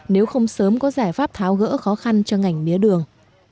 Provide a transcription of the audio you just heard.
nếu không sớm có giải pháp tháo gỡ khó khăn cho ngành mía đường